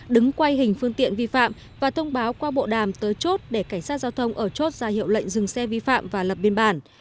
đứng quay hình phương tiện vi phạm và thông báo qua bộ đàm tới chốt để cảnh sát giao thông ở chốt ra hiệu lệnh dừng xe vi phạm và lập biên bản